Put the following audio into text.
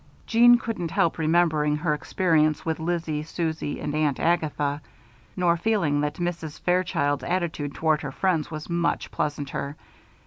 Jeanne couldn't help remembering her experience with Lizzie, Susie, and Aunt Agatha; nor feeling that Mrs. Fairchild's attitude toward her friends was much pleasanter.